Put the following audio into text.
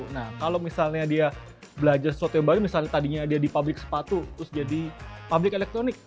nah kalau misalnya dia belajar sesuatu yang baru misalnya tadinya dia di pabrik sepatu terus jadi pabrik elektronik